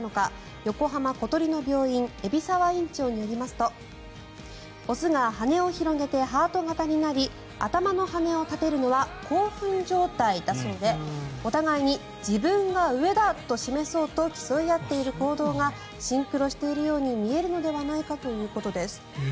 横浜小鳥の病院海老沢院長によりますと雄が羽を広げてハート形になり頭の羽を立てるのは興奮状態だそうでお互いに自分が上だと示そうと競い合っている行動がシンクロしているように見えるのではないかということです。